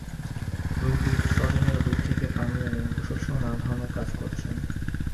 রোগীর স্বজনেরা দূর থেকে পানি এনে গোসলসহ নানা ধরনের কাজ করছেন।